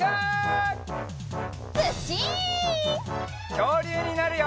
きょうりゅうになるよ！